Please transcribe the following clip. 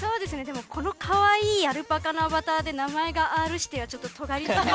でもこのかわいいアルパカのアバターで名前がＲ‐指定はちょっととがりすぎ。